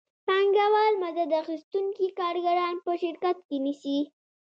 پانګوال مزد اخیستونکي کارګران په شرکت کې نیسي